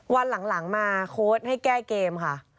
วันหลังมาโค้ดให้แก้เกมค่ะ